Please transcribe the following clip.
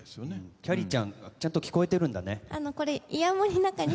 きゃりーちゃんちゃんと聞こえてるんだね。